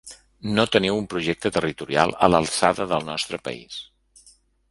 No teniu un projecte territorial a l’alçada del nostre país.